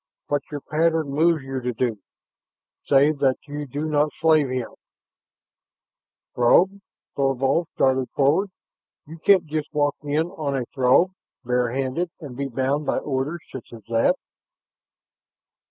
"What your pattern moves you to do. Save that you do not slay him " "Throg!" Thorvald started forward. "You can't just walk in on a Throg barehanded and be bound by orders such as that!"